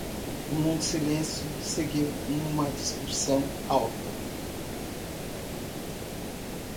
Um longo silêncio seguiu uma discussão alta.